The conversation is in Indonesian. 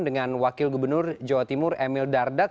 dengan wakil gubernur jawa timur emil dardak